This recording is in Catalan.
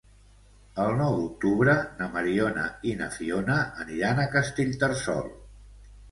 El nou d'octubre na Mariona i na Fiona aniran a Castellterçol.